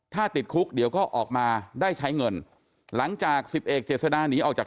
ถ้าติดคุกเดี๋ยวก็ออกมาได้ใช้เงินหลังจากสิบเอกเจษดาหนีออกจาก